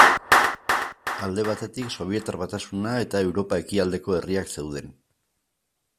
Alde batetik Sobietar Batasuna eta Europa ekialdeko herriak zeuden.